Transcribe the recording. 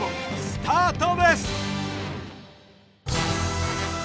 スタートです！